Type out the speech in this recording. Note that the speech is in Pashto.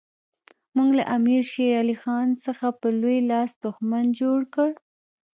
موږ له امیر شېر علي خان څخه په لوی لاس دښمن جوړ کړ.